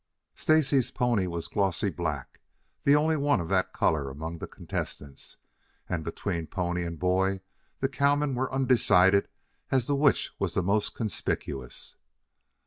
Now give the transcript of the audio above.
Stacy's pony was a glossy black, the only one of that color among the contestants, and between pony and boy the cowmen were undecided as to which was the most conspicuous.